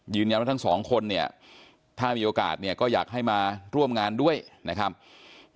ทั้งสองคนเนี่ยถ้ามีโอกาสเนี่ยก็อยากให้มาร่วมงานด้วยนะครับ